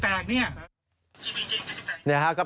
ขอร้องนะพี่ขอร้องด้วย